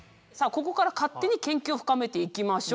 ここから勝手に研究を深めていきましょうと。